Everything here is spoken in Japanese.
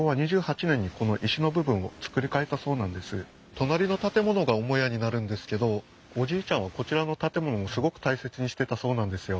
隣の建物が母屋になるんですけどおじいちゃんはこちらの建物をすごく大切にしてたそうなんですよ。